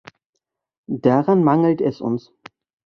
Daran mangelt es uns.